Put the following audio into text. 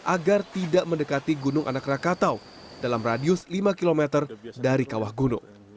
agar tidak mendekati gunung anak rakatau dalam radius lima km dari kawah gunung